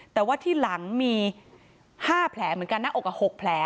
แต่ว่าที่หลังมี๕แผลเหมือนกันหน้าอก๖แผล